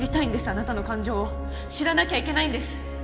あなたの感情を知らなきゃいけないんです！